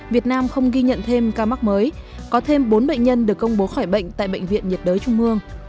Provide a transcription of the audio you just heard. việt nam không ghi nhận thêm ca mắc mới có thêm bốn bệnh nhân được công bố khỏi bệnh tại bệnh viện nhiệt đới trung ương